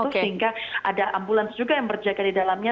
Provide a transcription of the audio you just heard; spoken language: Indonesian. sehingga ada ambulans juga yang berjaga di dalamnya